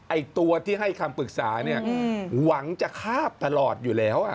ไอ้ตัวที่ให้คำปรึกษาเนี่ยหวังจะคาบตลอดอยู่แล้ว